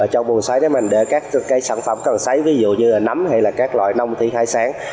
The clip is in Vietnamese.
trong buồng sấy đó mình để các sản phẩm cần sấy ví dụ như là nấm hay là các loại nông thị khai sáng